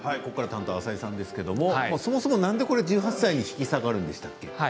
ここからの担当は浅井さんですけれどもそもそも、なぜ１８歳に引き下がるんでしたっけ？